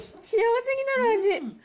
幸せになる味。